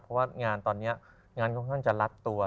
เพราะว่างานตอนนี้งานค่อนข้างจะลัดตัว